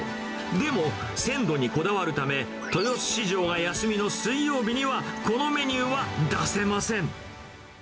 でも、鮮度にこだわるため、豊洲市場が休みの水曜日には、このメニューは出せません。